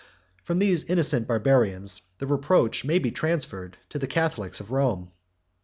From these innocent Barbarians, the reproach may be transferred to the Catholics of Rome.